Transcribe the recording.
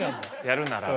やるなら。